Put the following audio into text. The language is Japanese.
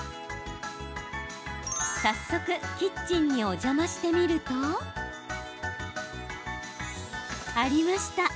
早速キッチンにお邪魔してみるとありました。